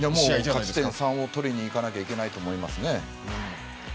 勝ち点３を取りにいかないといけないと思いますね。